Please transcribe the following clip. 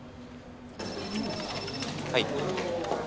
はい。